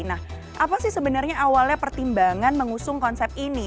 nah apa sih sebenarnya awalnya pertimbangan mengusung konsep ini